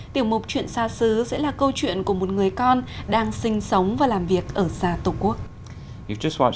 tiểu mục chuyện xa xứ sẽ là câu chuyện của một người con đang sinh sống và làm việc ở xa tổ quốc